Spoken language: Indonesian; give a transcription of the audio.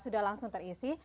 sudah langsung terisi